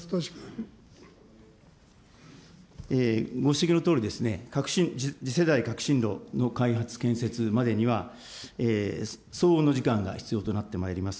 ご指摘のとおりですね、次世代革新炉の開発、建設までには、相応の時間が必要となってまいります。